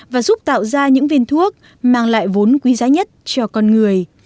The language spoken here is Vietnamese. và giúp tạo ra những viên thuốc mang lại vốn quý giá nhất cho con người